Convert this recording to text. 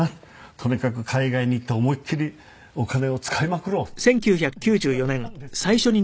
とにかく海外に行って思いっきりお金を使いまくろうって言っちゃったんですよ。